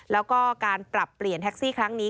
แล้วก็การปรับเปลี่ยนแท็กซี่ครั้งนี้